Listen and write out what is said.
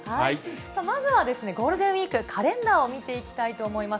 まずはですね、ゴールデンウィーク、カレンダーを見ていきたいと思います。